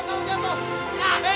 ametang kecil baju s cartrades